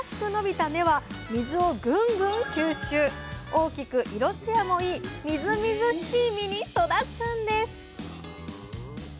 大きく色つやもいいみずみずしい実に育つんです